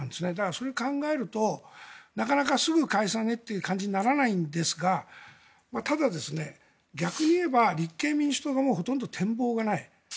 それを考えるとなかなか、すぐ解散へという感じにならないんですがただ、逆に言えば立憲民主党がほとんど展望がない。